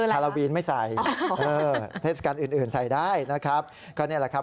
ฮาราวินไม่ใส่เทศกาลอื่นใส่ได้นะครับ